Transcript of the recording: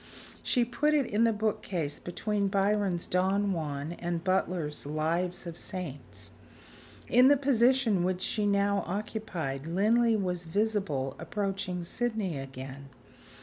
She put it in the bookcase between Byron's "Don Juan" and Butler's "Lives of the Saints." In the position which she now occupied, Linley was visible approaching Sydney again.